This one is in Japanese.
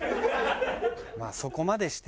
まあそこまでして。